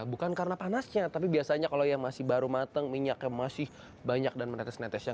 bukan karena panasnya tapi biasanya kalau yang masih baru mateng minyaknya masih banyak dan menetes netesnya